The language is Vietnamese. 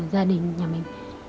gia đình nhà mình